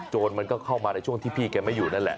มันก็เข้ามาในช่วงที่พี่แกไม่อยู่นั่นแหละ